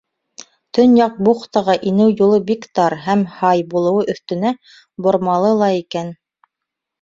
Төньяҡ бухтаға инеү юлы бик тар һәм һай булыуы өҫтөнә, бормалы ла икән.